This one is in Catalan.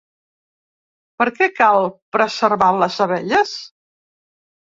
Per què cal preservar les abelles?